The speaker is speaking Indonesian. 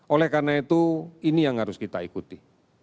oleh karena itu ini yang harus kita ikuti